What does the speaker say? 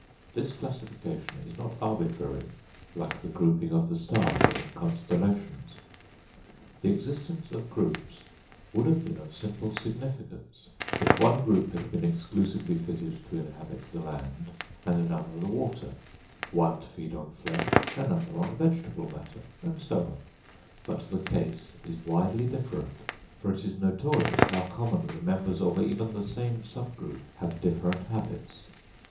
This classification is not arbitrary like the grouping of the stars in constellations. The existence of groups would have been of simple significance, if one group had been exclusively fitted to inhabit the land, and another the water; one to feed on flesh, another on vegetable matter, and so on; but the case is widely different, for it is notorious how commonly members of even the same subgroup have different habits.